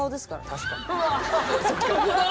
確かに。